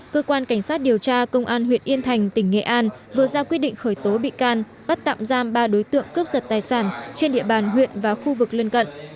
cơ quan cảnh sát điều tra công an huyện yên thành tỉnh nghệ an vừa ra quyết định khởi tố bị can bắt tạm giam ba đối tượng cướp giật tài sản trên địa bàn huyện và khu vực lân cận